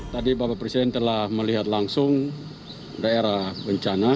tadi bapak presiden telah melihat langsung daerah bencana